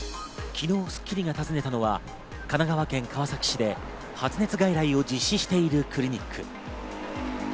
昨日『スッキリ』が訪ねたのは、神奈川県川崎市で発熱外来を実施しているクリニック。